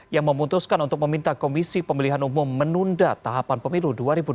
yang memutuskan untuk meminta komisi pemilihan umum menunda tahapan pemilu dua ribu dua puluh